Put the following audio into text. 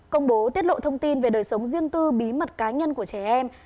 công bố tiết lộ thông tin về đời sống riêng tư bí mật cá nhân của trẻ em